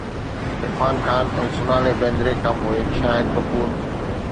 عرفان خان ۽ سونالي بيندري کان پوءِ، شاهد ڪپور